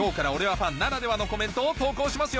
ファンならではのコメントを投稿しますよ